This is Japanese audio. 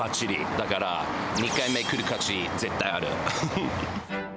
だから、２回目来る価値、絶対ある。